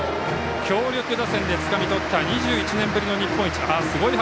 強力打線でつかみとった２１年ぶりの日本一。